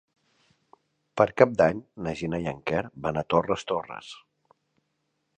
Per Cap d'Any na Gina i en Quer van a Torres Torres.